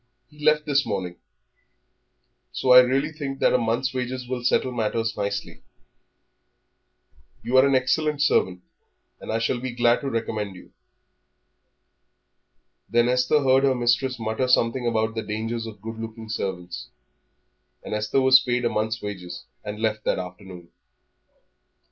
He left this morning. So I really think that a month's wages will settle matters nicely. You are an excellent servant, and I shall be glad to recommend you." Then Esther heard her mistress mutter something about the danger of good looking servants. And Esther was paid a month's wages, and left that afternoon.